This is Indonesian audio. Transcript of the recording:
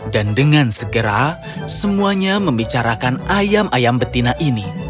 dan dengan segera semuanya membicarakan ayam ayam betina ini